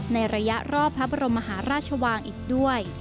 ในระยะรอบพระบรมมหาราชวังอีกด้วย